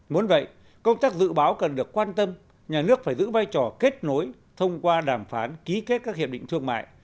muốn vậy công tác dự báo cần được quan tâm nhà nước phải giữ vai trò kết nối thông qua đàm phán ký kết các hiệp định thương mại